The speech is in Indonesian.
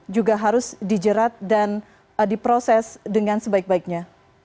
juga harus dijerat dan diproses dengan sebaik baiknya